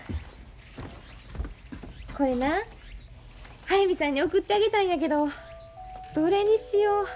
これな速水さんに送ってあげたいんやけどどれにしよ。